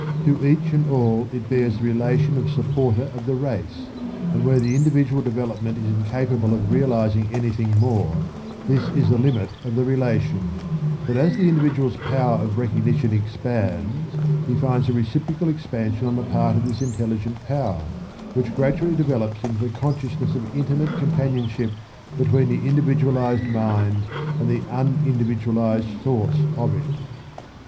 To each and all it bears the relation of supporter of the race, and where the individual development is incapable of realizing anything more, this is the limit of the relation; but as the individual's power of recognition expands, he finds a reciprocal expansion on the part of this intelligent power which gradually develops into the consciousness of intimate companionship between the individualized mind and the unindividualized source of it.